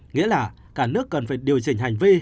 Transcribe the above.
nghĩa là cả nước cần phải điều chỉnh hành vi